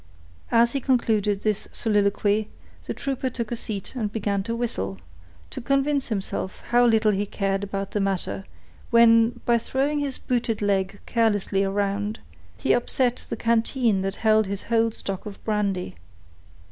As he concluded this soliloquy, the trooper took a seat and began to whistle, to convince himself how little he cared about the matter, when, by throwing his booted leg carelessly round, he upset the canteen that held his whole stock of brandy.